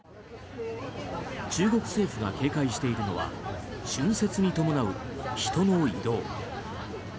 中国政府が警戒しているのは春節に伴う人の移動。